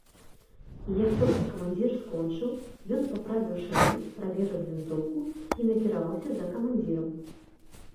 І як толькі камандзір скончыў, ён паправіў шынель, праверыў вінтоўку і накіраваўся за камандзірам.